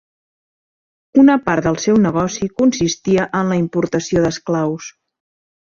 Una part del seu negoci consistia en la importació d'esclaus.